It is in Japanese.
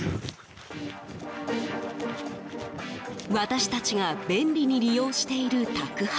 私たちが便利に利用している宅配。